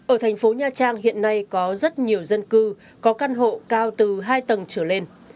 ở thành phố nha trang hiện nay có rất nhiều dân cư có căn hộ cao từ hai tầng trở lên